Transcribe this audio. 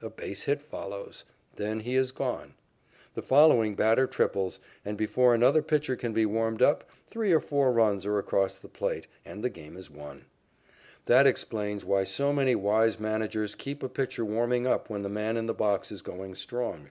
A base hit follows. Then he is gone. The following batter triples, and, before another pitcher can be warmed up, three or four runs are across the plate, and the game is won. That explains why so many wise managers keep a pitcher warming up when the man in the box is going strong.